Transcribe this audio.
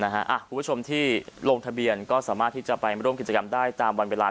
คุณผู้ชมที่ลงทะเบียนก็สามารถที่จะไปร่วมกิจกรรมได้ตามวันเวลา